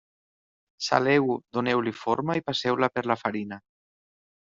Saleu-ho, doneu-li la forma i passeu-la per farina.